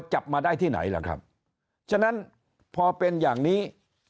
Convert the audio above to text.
จับมาได้ที่ไหนล่ะครับฉะนั้นพอเป็นอย่างนี้